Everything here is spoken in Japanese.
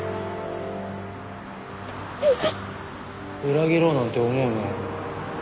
裏切ろうなんて思うなよ。